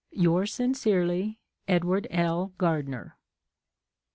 Yours sincerely, Edw. L. Gardner.